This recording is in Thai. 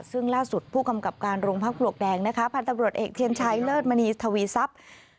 ซึ่งล่าสุดผู้กำกับการโรงภาพโลกแดงนะคะพันธ์ตำรวจเอกเทียนชายเลิศมณีทวีซับ